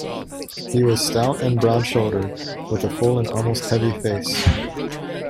He was stout and broad-shouldered, with a full and almost heavy face.